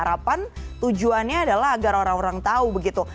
harapan tujuannya adalah agar orang orang tahu begitu